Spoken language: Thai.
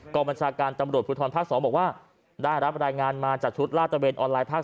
บัญชาการตำรวจภูทรภาค๒บอกว่าได้รับรายงานมาจากชุดลาดตะเวนออนไลน์ภาค